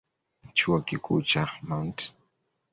Chuo Kikuu cha Mt.